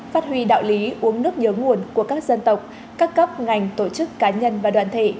phát huy đạo lý uống nước nhớ nguồn của các dân tộc các cấp ngành tổ chức cá nhân và đoàn thể